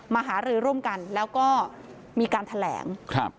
หารือร่วมกันแล้วก็มีการแถลงครับ